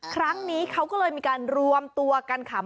ครั้งนี้เขาก็เลยมีการรวมตัวกันขำ